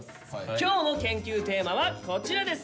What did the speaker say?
今日の研究テーマはこちらです。